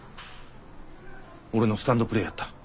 俺のスタンドプレーやった。